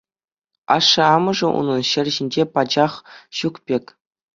Ашшӗ-амӑшӗ унан ҫӗр ҫинче пачах ҫук пек.